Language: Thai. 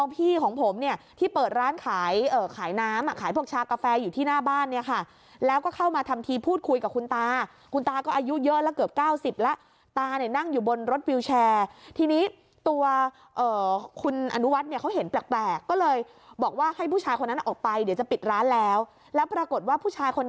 พี่ของผมเนี่ยที่เปิดร้านขายน้ำอ่ะขายพวกชากาแฟอยู่ที่หน้าบ้านเนี่ยค่ะแล้วก็เข้ามาทำทีพูดคุยกับคุณตาคุณตาก็อายุเยอะแล้วเกือบ๙๐แล้วตาเนี่ยนั่งอยู่บนรถวิวแชร์ทีนี้ตัวคุณอนุวัฒน์เนี่ยเขาเห็นแปลกก็เลยบอกว่าให้ผู้ชายคนนั้นออกไปเดี๋ยวจะปิดร้านแล้วแล้วปรากฏว่าผู้ชายคน